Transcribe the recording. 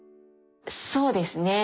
そうですね。